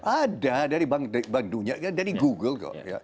ada dari bank dunia dari google kok